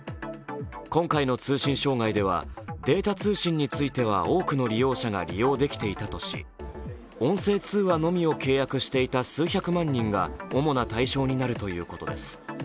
今回の通信障害ではデータ通信については多くの利用者が利用できていたとし、音声通話のみを契約していた数百万人が主な対象になるということです。